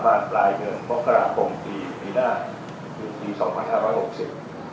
ประมาณปลายเดือนพคปีปีหน้าปี๒๕๖๐